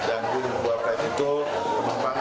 dan dua flight itu memang